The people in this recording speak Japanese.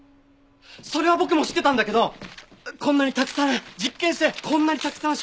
それは僕も知ってたんだけどこんなにたくさん実験してこんなにたくさん証明されてる。